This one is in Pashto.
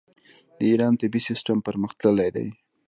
د ایران طبي سیستم پرمختللی دی.